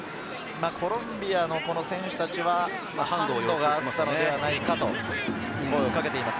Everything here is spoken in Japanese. コロンビアの選手たちは、ハンドがあったのではないかと声を掛けています。